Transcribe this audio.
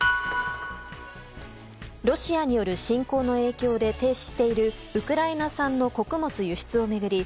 ロシアによる侵攻の影響で停止しているウクライナ産の穀物輸出を巡り